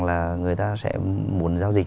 là người ta sẽ muốn giao dịch